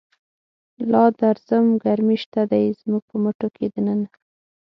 لادرزم ګرمی شته دی، زموږ په مټوکی دننه